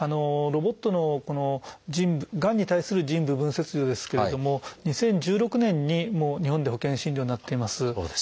ロボットのがんに対する腎部分切除ですけれども２０１６年に日本で保険診療になっています。